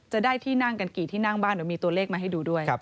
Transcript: จะได้ที่นั่งกันกี่ที่นั่งบ้างเดี๋ยวมีตัวเลขมาให้ดูด้วย